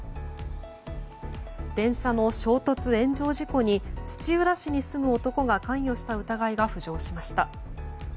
電車の衝突・炎上事故で土浦市に住む男が関与した疑いが浮上しました。